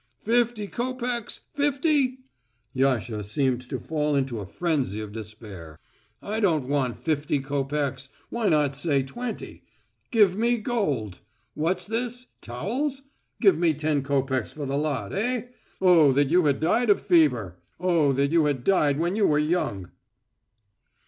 "Fifty copecks, fifty?" Yasha seemed to fall into a frenzy of despair. "I don't want fifty copecks. Why not say twenty? Give me gold! What's this? Towels? Give me ten copecks for the lot, eh? Oh that you had died of fever! Oh that you had died when you were young!"